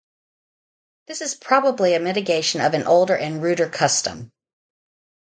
This is probably a mitigation of an older and ruder custom.